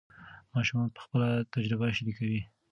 ماشومان به خپله تجربه شریکوي.